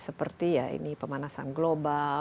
seperti ya ini pemanasan global